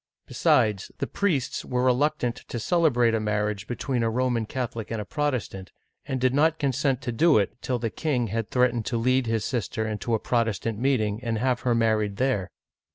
Besides, the priests were reluctant to celebrate a marriage between a Roman Catholic and a Protestant, and did not consent to do it till the king had threatened to lead his sister into a Protestant meeting, and have her married there.